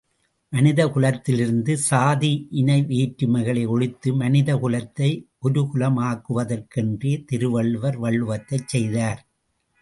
மனித குலத்திலிருந்த சாதி இனவேற்றுமைகளை ஒழித்து மனிதகுலத்தை ஒருகுலமாக்குவதற்கென்றே திருவள்ளுவர் வள்ளுவத்தைச் செய்தார்.